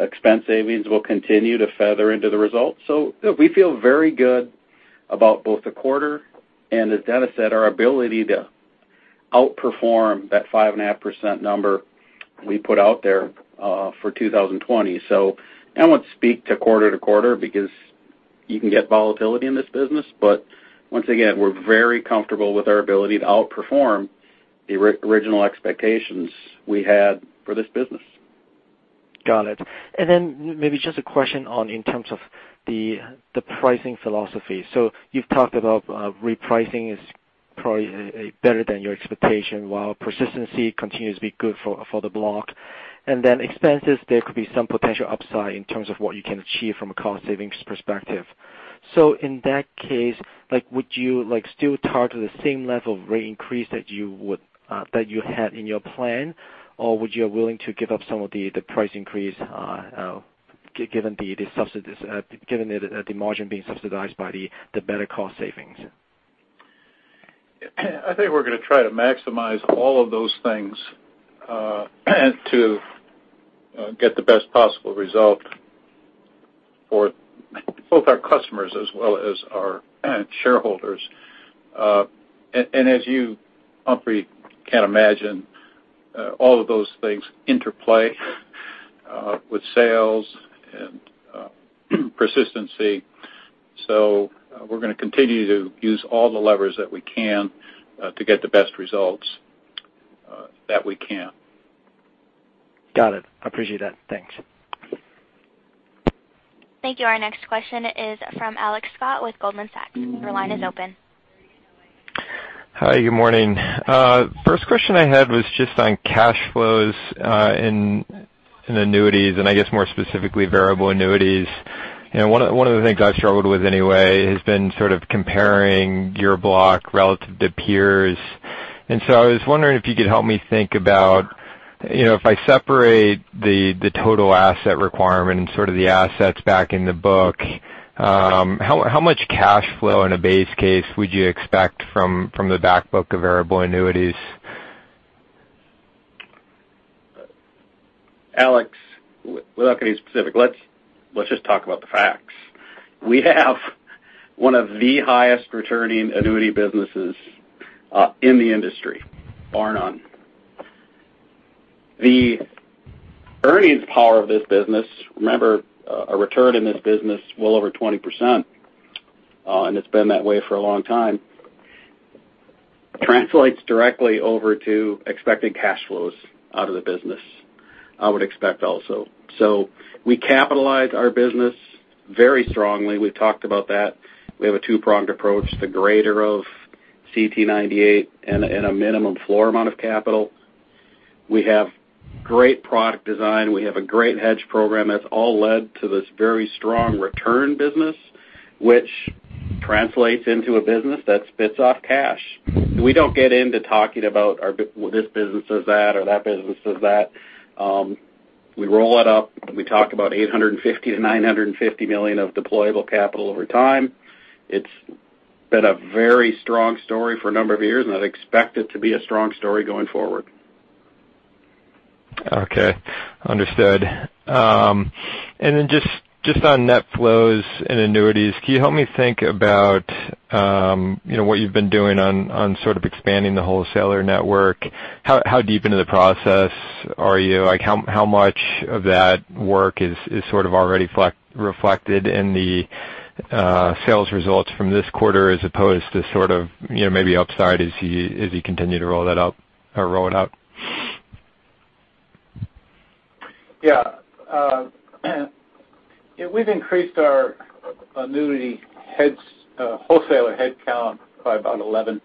Speaker 4: expense savings will continue to feather into the results. We feel very good about both the quarter, and as Dennis said, our ability to outperform that 5.5% number we put out there for 2020. I won't speak to quarter to quarter because you can get volatility in this business. Once again, we're very comfortable with our ability to outperform the original expectations we had for this business.
Speaker 9: Got it. Maybe just a question on in terms of the pricing philosophy. You've talked about repricing is probably better than your expectation, while persistency continues to be good for the block. Expenses, there could be some potential upside in terms of what you can achieve from a cost savings perspective. In that case, would you still target the same level of rate increase that you had in your plan? Or would you be willing to give up some of the price increase given the margin being subsidized by the better cost savings?
Speaker 4: I think we're going to try to maximize all of those things to get the best possible result for both our customers as well as our shareholders. As you, Humphrey, can imagine, all of those things interplay with sales and persistency. We're going to continue to use all the levers that we can to get the best results that we can.
Speaker 9: Got it. I appreciate that. Thanks.
Speaker 1: Thank you. Our next question is from Alex Scott with Goldman Sachs. Your line is open.
Speaker 10: Hi, good morning. First question I had was just on cash flows in annuities, and I guess more specifically, variable annuities. One of the things I've struggled with anyway has been sort of comparing your block relative to peers. I was wondering if you could help me think about, if I separate the total asset requirement and sort of the assets back in the book, how much cash flow in a base case would you expect from the back book of variable annuities?
Speaker 4: Alex, without getting specific, let's just talk about the facts. We have one of the highest returning annuity businesses in the industry, bar none. The earnings power of this business, remember, a return in this business well over 20%, and it's been that way for a long time, translates directly over to expected cash flows out of the business, I would expect also. We capitalize our business very strongly. We've talked about that. We have a two-pronged approach, the greater of CTE 98 and a minimum floor amount of capital. We have great product design. We have a great hedge program that's all led to this very strong return business, which translates into a business that spits off cash. We don't get into talking about, well, this business is that or that business is that. We roll it up. We talk about $850 million to $950 million of deployable capital over time. It's been a very strong story for a number of years, I'd expect it to be a strong story going forward.
Speaker 10: Okay. Understood. Just on net flows and annuities, can you help me think about what you've been doing on expanding the wholesaler network? How deep into the process are you? How much of that work is already reflected in the sales results from this quarter as opposed to maybe upside as you continue to roll it out?
Speaker 3: Yeah. We've increased our annuity wholesaler headcount by about 11%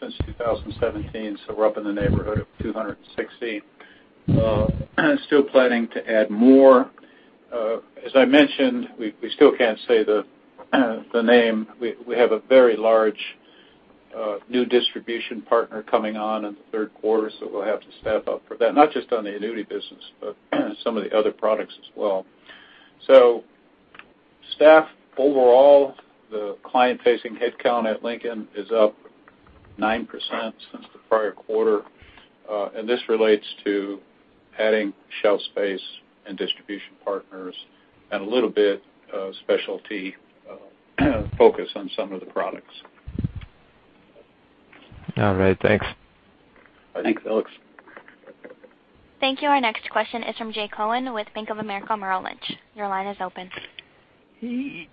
Speaker 3: since 2017, so we're up in the neighborhood of 260. Still planning to add more. As I mentioned, we still can't say the name. We have a very large new distribution partner coming on in the third quarter. We'll have to staff up for that, not just on the annuity business, but some of the other products as well. Staff overall, the client-facing headcount at Lincoln is up 9% since the prior quarter. This relates to adding shelf space and distribution partners and a little bit of specialty focus on some of the products.
Speaker 10: All right. Thanks.
Speaker 4: Thanks, Alex.
Speaker 1: Thank you. Our next question is from Jay Cohen with Bank of America Merrill Lynch. Your line is open.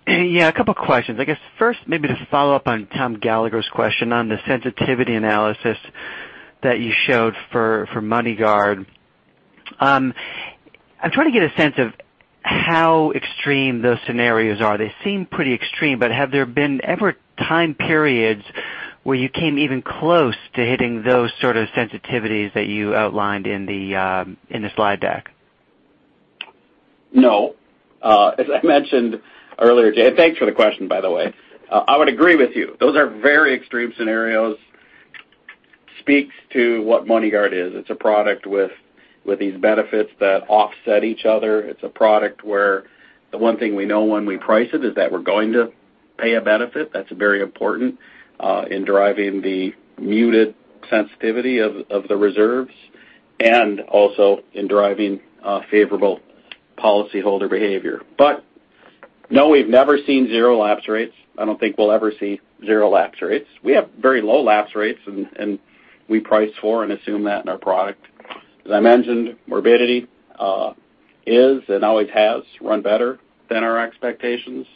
Speaker 11: Yeah, a couple questions. I guess first, maybe to follow up on Thomas Gallagher's question on the sensitivity analysis that you showed for MoneyGuard. I am trying to get a sense of how extreme those scenarios are. They seem pretty extreme, but have there been ever time periods where you came even close to hitting those sort of sensitivities that you outlined in the slide deck?
Speaker 4: No. As I mentioned earlier, Jay, thanks for the question, by the way. I would agree with you. Those are very extreme scenarios, speaks to what MoneyGuard is. It's a product with these benefits that offset each other. It's a product where the one thing we know when we price it is that we're going to pay a benefit. That's very important in driving the muted sensitivity of the reserves and also in driving favorable policyholder behavior. No, we've never seen zero lapse rates. I don't think we'll ever see zero lapse rates. We have very low lapse rates, and we price for and assume that in our product. As I mentioned, morbidity is and always has run better than our expectations.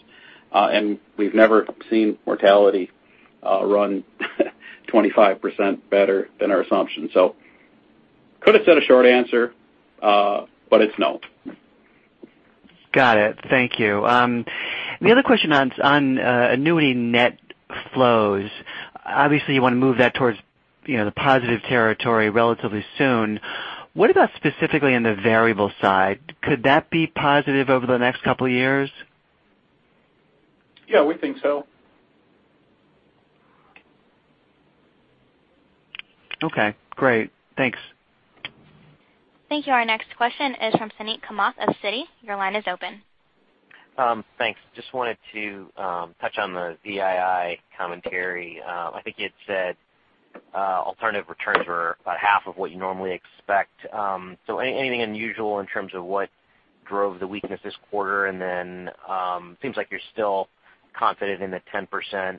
Speaker 4: We've never seen mortality run 25% better than our assumption. Could have said a short answer, but it's no.
Speaker 11: Got it. Thank you. The other question on annuity net flows, obviously you want to move that towards the positive territory relatively soon. What about specifically on the variable side? Could that be positive over the next couple of years?
Speaker 3: Yeah, we think so.
Speaker 11: Okay, great. Thanks.
Speaker 1: Thank you. Our next question is from Suneet Kamath of Citi. Your line is open.
Speaker 12: Thanks. Just wanted to touch on the DII commentary. I think you had said alternative returns were about half of what you normally expect. Anything unusual in terms of what drove the weakness this quarter? Seems like you're still confident in the 10%.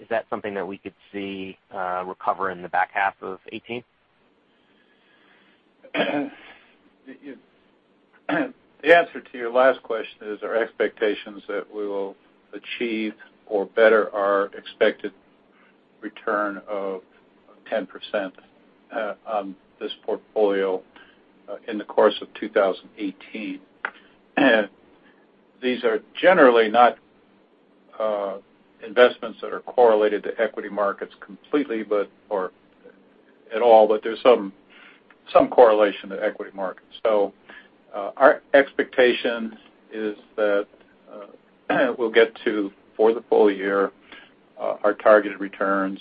Speaker 12: Is that something that we could see recover in the back half of 2018?
Speaker 4: The answer to your last question is our expectations that we will achieve or better our expected return of 10% on this portfolio in the course of 2018. These are generally not investments that are correlated to equity markets completely, or at all, but there's some correlation to equity markets. Our expectation is that we'll get to, for the full year, our targeted returns.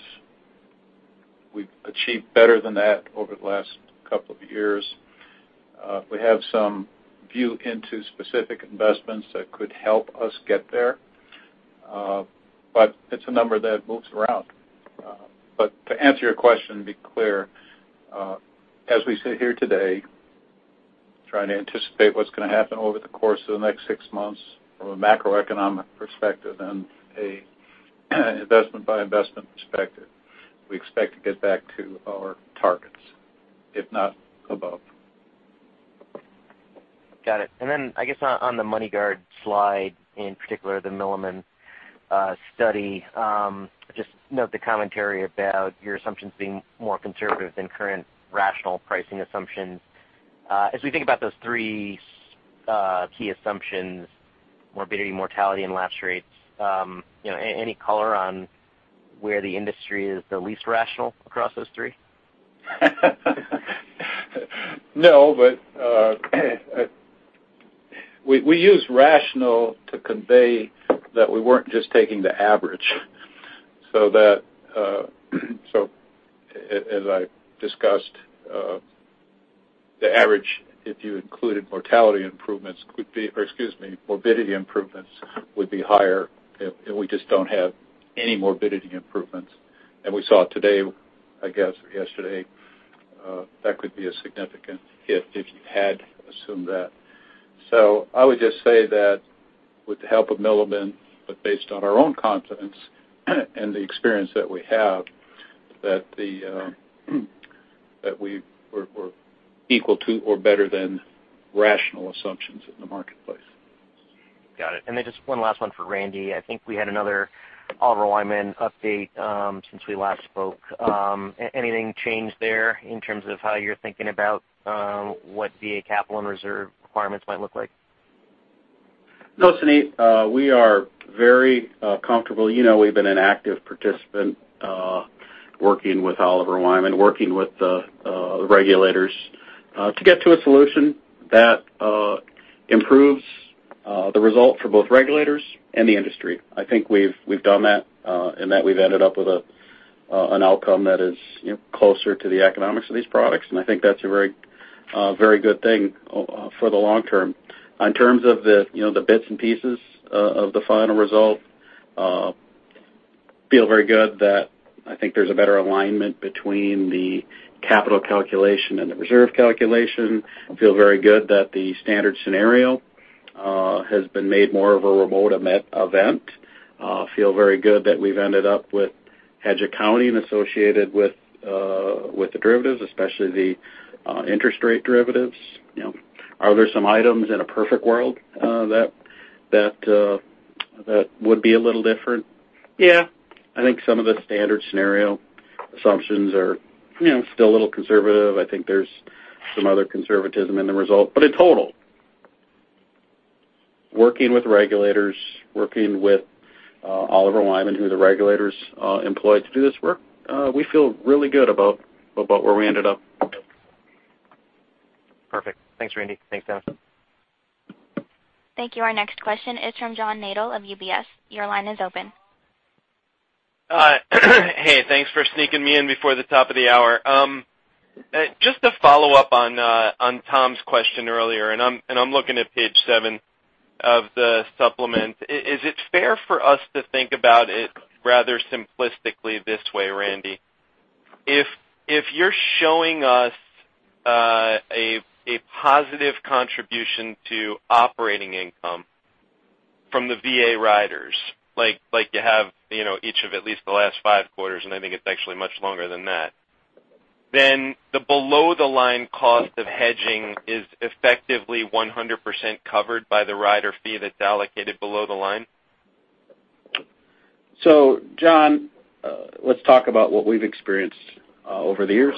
Speaker 4: We've achieved better than that over the last couple of years. We have some view into specific investments that could help us get there. It's a number that moves around. To answer your question, be clear, as we sit here today, trying to anticipate what's going to happen over the course of the next six months from a macroeconomic perspective and an investment by investment perspective, we expect to get back to our targets, if not above.
Speaker 12: Got it. I guess on the MoneyGuard slide, in particular the Milliman study, just note the commentary about your assumptions being more conservative than current rational pricing assumptions. As we think about those three key assumptions, morbidity, mortality, and lapse rates, any color on where the industry is the least rational across those three?
Speaker 3: No, we use Randy's to convey that we weren't just taking the average. As I discussed, the average, if you included mortality improvements, or excuse me, morbidity improvements would be higher if we just don't have any morbidity improvements. We saw today- I guess yesterday, that could be a significant hit if you had assumed that. I would just say that with the help of Milliman, but based on our own confidence and the experience that we have, that we're equal to or better than Randy's assumptions in the marketplace.
Speaker 12: Got it. Then just one last one for Randy. I think we had another Oliver Wyman update since we last spoke. Anything change there in terms of how you're thinking about what VA capital and reserve requirements might look like?
Speaker 4: No, Suneet. We are very comfortable. We've been an active participant working with Oliver Wyman, working with the regulators to get to a solution that improves the result for both regulators and the industry. I think we've done that in that we've ended up with an outcome that is closer to the economics of these products, and I think that's a very good thing for the long term. In terms of the bits and pieces of the final result, feel very good that I think there's a better alignment between the capital calculation and the reserve calculation. Feel very good that the standard scenario has been made more of a remote event. Feel very good that we've ended up with hedge accounting associated with the derivatives, especially the interest rate derivatives. Are there some items in a perfect world that would be a little different? Yeah. I think some of the standard scenario assumptions are still a little conservative. I think there's some other conservatism in the result. In total, working with regulators, working with Oliver Wyman, who the regulators employed to do this work, we feel really good about where we ended up.
Speaker 12: Perfect. Thanks, Randy. Thanks, Dennis.
Speaker 1: Thank you. Our next question is from John Nadel of UBS. Your line is open.
Speaker 13: Hey, thanks for sneaking me in before the top of the hour. Just to follow up on Tom's question earlier, I'm looking at page seven of the supplement. Is it fair for us to think about it rather simplistically this way, Randy? If you're showing us a positive contribution to operating income from the VA riders, like you have each of at least the last five quarters, and I think it's actually much longer than that, then the below the line cost of hedging is effectively 100% covered by the rider fee that's allocated below the line?
Speaker 4: John, let's talk about what we've experienced over the years.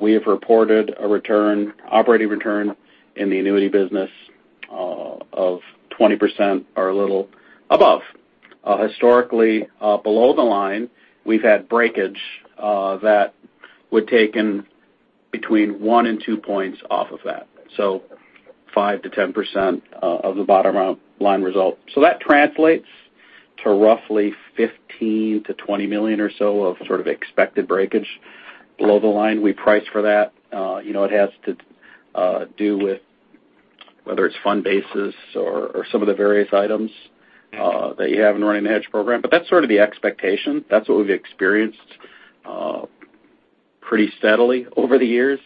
Speaker 4: We have reported an operating return in the annuity business of 20% or a little above. Historically, below the line, we've had breakage that would take in between one and two points off of that, so 5%-10% of the bottom line result. That translates to roughly $15 million-$20 million or so of sort of expected breakage below the line. We price for that. It has to do with whether it's fund bases or some of the various items that you have in running the hedge program. That's sort of the expectation. That's what we've experienced pretty steadily over the years.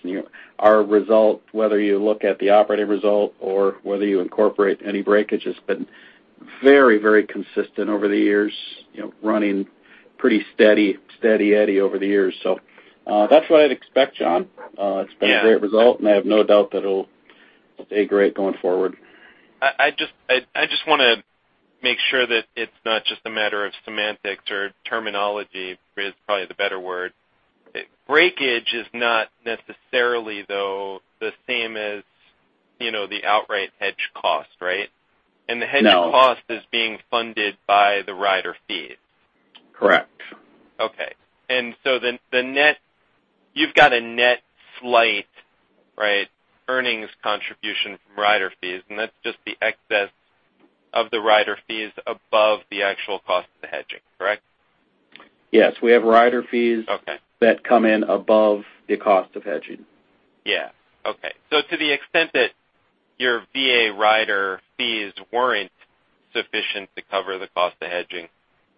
Speaker 4: Our result, whether you look at the operating result or whether you incorporate any breakage, has been very consistent over the years, running pretty steady over the years. That's what I'd expect, John. It's been a great result, and I have no doubt that it'll stay great going forward.
Speaker 13: I just want to make sure that it's not just a matter of semantics or terminology is probably the better word. Breakage is not necessarily though the same as the outright hedge cost, right?
Speaker 4: No.
Speaker 13: The hedge cost is being funded by the rider fees.
Speaker 4: Correct.
Speaker 13: You've got a net slight earnings contribution from rider fees, and that's just the excess of the rider fees above the actual cost of the hedging, correct?
Speaker 4: Yes. We have rider fees-
Speaker 13: Okay
Speaker 4: that come in above the cost of hedging.
Speaker 13: Yeah. Okay. To the extent that your VA rider fees weren't sufficient to cover the cost of hedging,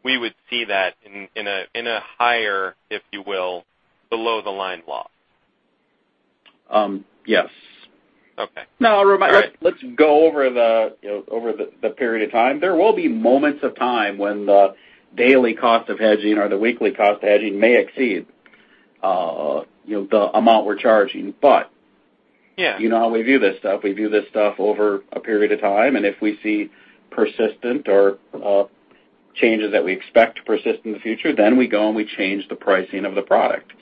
Speaker 13: we would see that in a higher, if you will, below the line loss.
Speaker 4: Yes.
Speaker 13: Okay. All right.
Speaker 4: Let's go over the period of time. There will be moments of time when the daily cost of hedging or the weekly cost of hedging may exceed the amount we're charging.
Speaker 13: Yeah
Speaker 4: You know how we view this stuff. We view this stuff over a period of time. If we see persistent or changes that we expect to persist in the future, we go and we change the pricing of the product.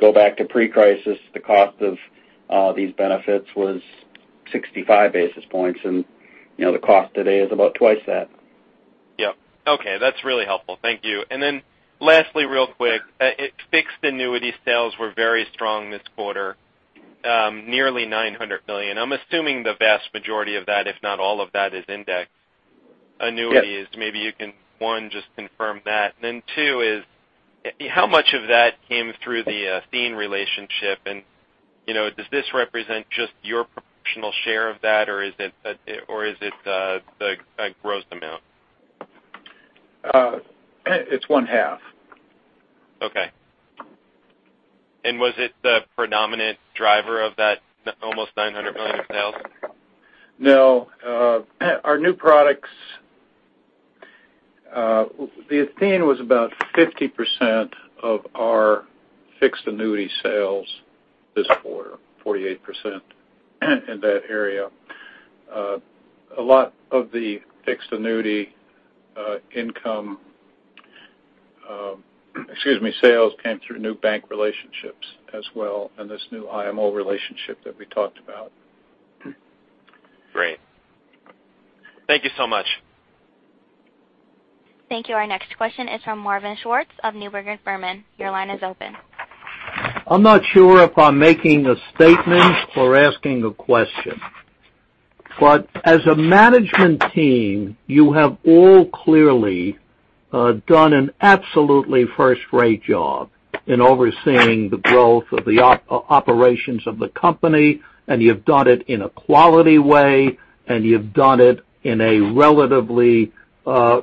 Speaker 4: Go back to pre-crisis, the cost of these benefits was 65 basis points. The cost today is about twice that.
Speaker 13: Yep. Okay. That's really helpful. Thank you. Lastly, real quick, fixed annuities sales were very strong this quarter, nearly $900 million. I'm assuming the vast majority of that, if not all of that is indexed annuities.
Speaker 4: Yes.
Speaker 13: Maybe you can, one, just confirm that. Two is how much of that came through the Athene relationship, and does this represent just your proportional share of that, or is it a gross amount?
Speaker 4: It's one half.
Speaker 13: Okay. Was it the predominant driver of that almost $900 million of sales?
Speaker 4: No. Our new products, the Athene was about 50% of our fixed annuity sales this quarter, 48% in that area. A lot of the fixed annuity income, excuse me, sales came through new bank relationships as well, and this new IMO relationship that we talked about.
Speaker 13: Great. Thank you so much.
Speaker 1: Thank you. Our next question is from Marvin Schwartz of Neuberger Berman. Your line is open.
Speaker 14: I'm not sure if I'm making a statement or asking a question. As a management team, you have all clearly done an absolutely first-rate job in overseeing the growth of the operations of the company, and you've done it in a quality way, and you've done it in a relatively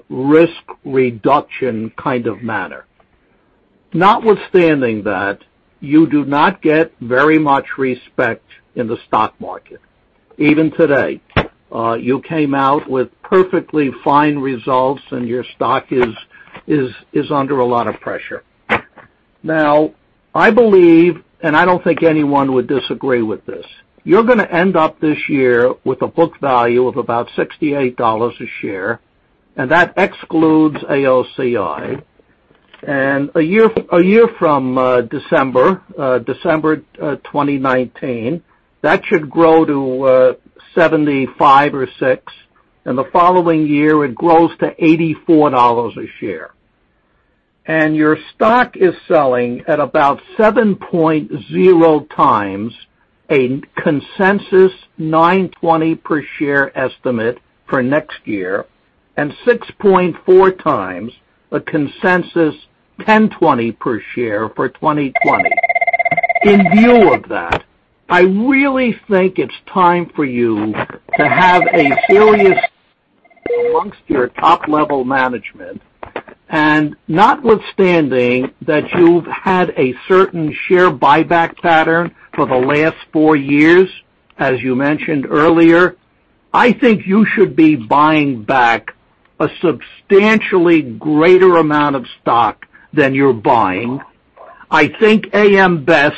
Speaker 14: risk-reduction kind of manner. Notwithstanding that, you do not get very much respect in the stock market. Even today. You came out with perfectly fine results and your stock is under a lot of pressure. Now, I believe, and I don't think anyone would disagree with this, you're going to end up this year with a book value of about $68 a share, and that excludes AOCI. A year from December 2019, that should grow to $75 or $76, and the following year it grows to $84 a share. Your stock is selling at about 7.0x a consensus $9.20 per share estimate for next year, and 6.4x a consensus $10.20 per share for 2020. In view of that, I really think it's time for you to have a serious amongst your top-level management. Notwithstanding that you've had a certain share buyback pattern for the last four years, as you mentioned earlier, I think you should be buying back a substantially greater amount of stock than you're buying. I think AM Best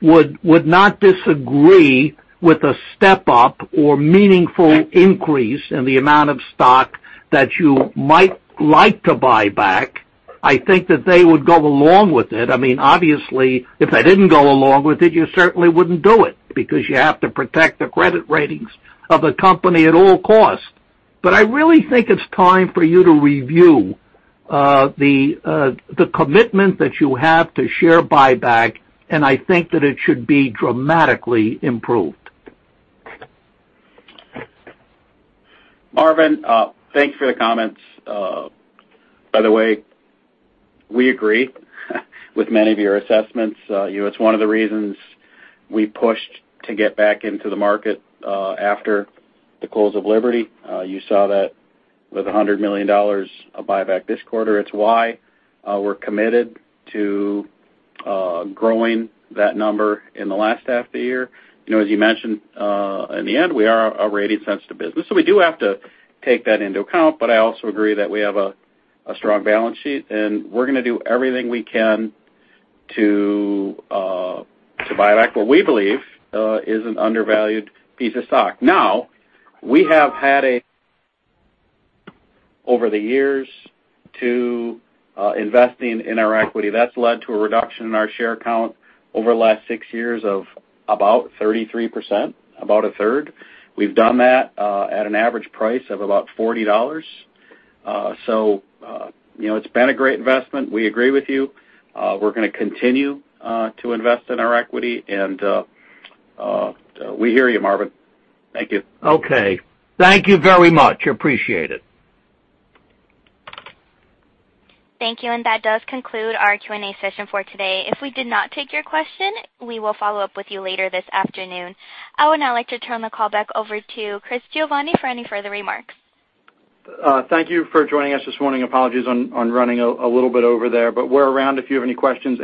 Speaker 14: would not disagree with a step-up or meaningful increase in the amount of stock that you might like to buy back. I think that they would go along with it. Obviously, if they didn't go along with it, you certainly wouldn't do it because you have to protect the credit ratings of the company at all costs. I really think it's time for you to review the commitment that you have to share buyback, and I think that it should be dramatically improved.
Speaker 4: Marvin, thanks for the comments. By the way, we agree with many of your assessments. It's one of the reasons we pushed to get back into the market after the close of Liberty. You saw that with $100 million of buyback this quarter. It's why we're committed to growing that number in the last half of the year. As you mentioned, in the end, we are a rating-sensitive business, so we do have to take that into account. I also agree that we have a strong balance sheet, and we're going to do everything we can to buy back what we believe is an undervalued piece of stock. Now, we have had a over the years to investing in our equity. That's led to a reduction in our share count over the last six years of about 33%, about a third. We've done that at an average price of about $40. It's been a great investment. We agree with you. We're going to continue to invest in our equity, and we hear you, Marvin. Thank you.
Speaker 14: Okay. Thank you very much. Appreciate it.
Speaker 1: Thank you, and that does conclude our Q&A session for today. If we did not take your question, we will follow up with you later this afternoon. I would now like to turn the call back over to Christopher Giovanni for any further remarks.
Speaker 2: Thank you for joining us this morning. Apologies on running a little bit over there, but we're around if you have any questions,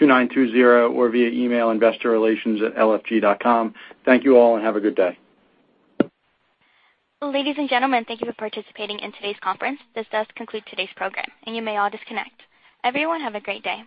Speaker 2: 800-237-2920 or via email, investorrelations@lfg.com. Thank you all and have a good day.
Speaker 1: Ladies and gentlemen, thank you for participating in today's conference. This does conclude today's program, and you may all disconnect. Everyone have a great day.